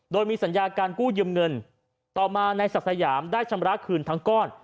โดยมีสัญญาการกู้ยืมเงินต่อมานายศักดิ์สยามได้ชำระคืนทั้งก้อน